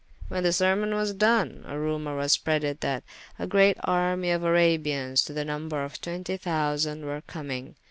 When the sermon was done, a rumor was spredde that a great armye of Arabians, to the number of twentie thousande, were commyng.